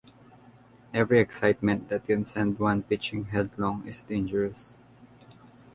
Every excitement that can send one pitching headlong is dangerous.